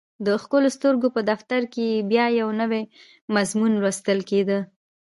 د ښکلو سترګو په دفتر کې یې بیا یو نوی مضمون لوستل کېده